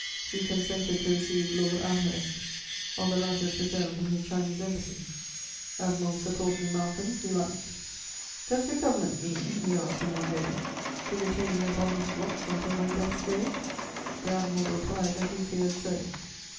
He consented to receive Lord Amherst on the latter's return from his Chinese embassy. Admiral Sir Pulteney Malcolm he liked: "Does your Government mean," he asked him one day, "to detain me upon this rock until my death's day?" The admiral replied that he feared so.